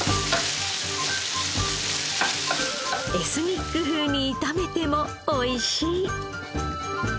エスニック風に炒めてもおいしい。